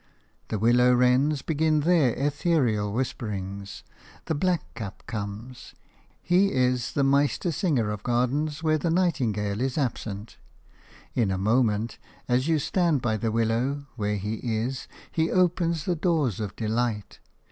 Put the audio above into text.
The willow wrens begin their ethereal whisperings; the blackcap comes. He is the meistersinger of gardens where the nightingale is absent; in a moment, as you stand by the willow where he is, be opens the doors of delight.